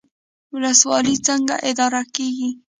ولسوالۍ څنګه اداره کیږي؟